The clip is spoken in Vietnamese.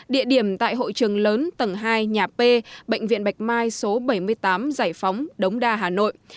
địa điểm tại hội trường lớn tầng hai nhà p bệnh viện bạch mai số bảy mươi tám giải phóng đống đa hà nội